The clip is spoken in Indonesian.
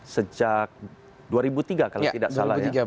sejak dua ribu tiga kalau tidak salah ya